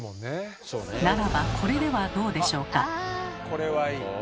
ならばこれではどうでしょうか？